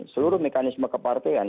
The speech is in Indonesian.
seluruh mekanisme kepartian